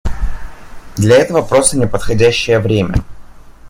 Для этого просто не подходящее время.